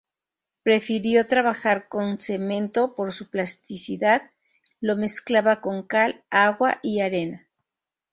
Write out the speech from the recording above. Prefirió trabajar con cemento por su plasticidad, lo mezclaba con cal, agua y arena.